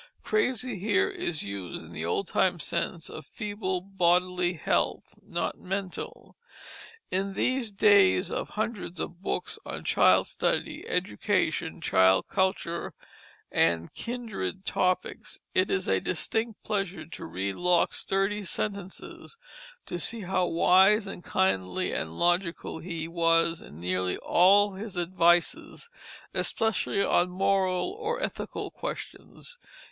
Crazy here is used in the old time sense of feeble bodily health, not mental. In these days of hundreds of books on child study, education, child culture, and kindred topics, it is a distinct pleasure to read Locke's sturdy sentences; to see how wise, and kindly, and logical he was in nearly all his advices, especially on moral or ethical questions.